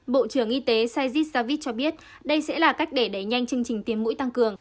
bộ trưởng y tế saigis javis cho biết đây sẽ là cách để đẩy nhanh chương trình tiêm mũi tăng cường